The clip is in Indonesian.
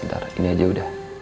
ntar ini aja udah